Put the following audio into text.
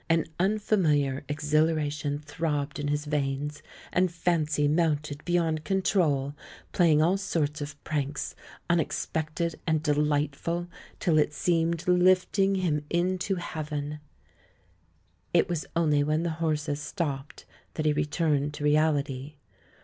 An unfamiliar exhilaration throbbed in his veins, and fancy mounted beyond control, playing all sorts of pranks, unexpected and de lightful, till it seemed lifting him into heaven. 100 THE MAN WHO UNDERSTOOD WOMEN It was only when the horses stopped that he returned to reality.